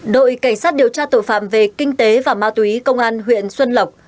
đội cảnh sát điều tra tội phạm về kinh tế và ma túy công an huyện xuân lộc